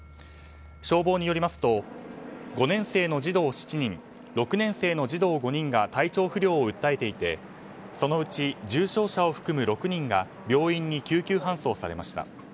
消防によりますと５年生の児童７人６年生の児童５人が体調不良を訴えていてそのうち重症者を含む６人が病院に救急搬送されました。